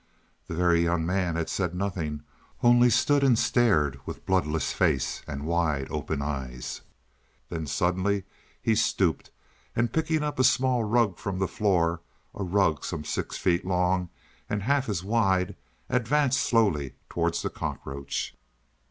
The Very Young Man had said nothing; only stood and stared with bloodless face and wide open eyes. Then suddenly he stooped, and picking up a small rug from the floor a rug some six feet long and half as wide advanced slowly towards the cockroach.